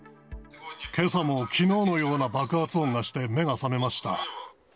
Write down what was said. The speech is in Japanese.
けさも、きのうのような爆発音がして、目が覚めました。